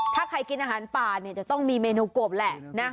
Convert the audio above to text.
ถ้าใครกินอาหารป่าเนี่ยจะต้องมีเมนูกบแหละนะ